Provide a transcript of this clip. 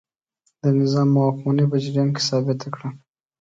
د نظام او واکمنۍ په جریان کې ثابته کړه.